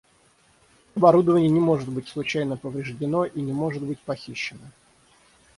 Оборудование не сможет быть случайно повреждено и не сможет быть похищено